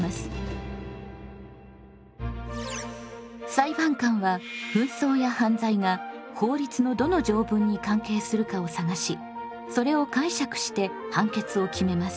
裁判官は紛争や犯罪が法律のどの条文に関係するかを探しそれを解釈して判決を決めます。